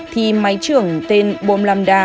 thì máy trưởng tên bồn lam đa